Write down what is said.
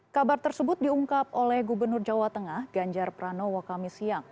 kabar tersebut diungkap oleh gubernur jawa tengah ganjar pranowo kami siang